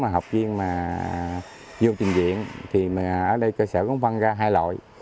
học viên vô trình diện thì ở đây cơ sở cũng phân ra hai loại